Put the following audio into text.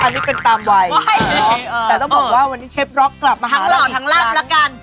อันนี้เป็นตามวัยแต่ต้องบอกว่าวันนี้เชฟร็อคกลับมาหาเราอีกครั้ง